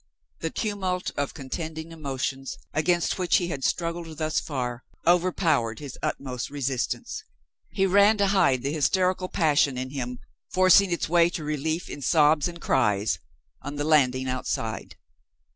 The tumult of contending emotions, against which he had struggled thus far, overpowered his utmost resistance. He ran to hide the hysterical passion in him, forcing its way to relief in sobs and cries, on the landing outside.